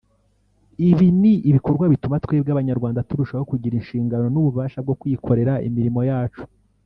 Ibi ni ibikorwa bituma twebwe Abanyarwanda turushaho kugira inshingano n’ububasha bwo kwikorera imirimo yacu